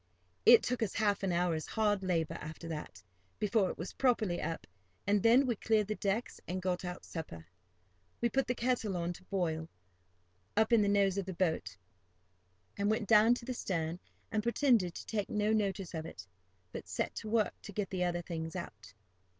It took us half an hour's hard labour, after that, before it was properly up, and then we cleared the decks, and got out supper. We put the kettle on to boil, up in the nose of the boat, and went down to the stern and pretended to take no notice of it, but set to work to get the other things out.